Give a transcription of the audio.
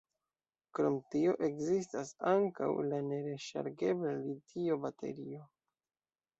Krom tio ekzistas ankaŭ la ne-reŝargebla litio-baterio.